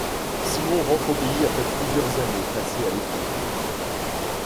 Simon rentre au pays après plusieurs années passées à l'étranger.